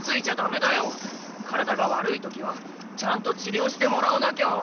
体が悪い時はちゃんとちりょうしてもらわなきゃ。